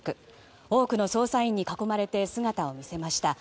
多くの捜査員に囲まれて姿を見せました。